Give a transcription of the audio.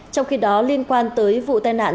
trong khi đó liên quan tới vụ tai nạn